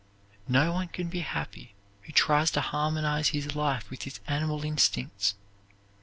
No one can be happy who tries to harmonize his life with his animal instincts.